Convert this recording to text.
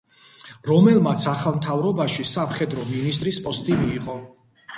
რომელმაც ახალ მთავრობაში სამხედრო მინისტრის პოსტი მიიღო.